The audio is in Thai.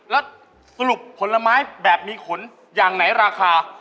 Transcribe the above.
แล้วสรุปผลไม้แบบมีขนอย่างไหนราคา